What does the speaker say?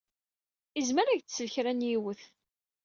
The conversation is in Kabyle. Izmer ad ak-d-tsel kra n yiwet.